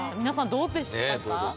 どうでしたか。